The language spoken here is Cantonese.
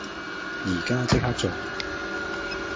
依家即刻做